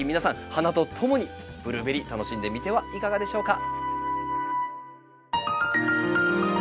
花とともにブルーベリー楽しんでみてはいかがでしょうか？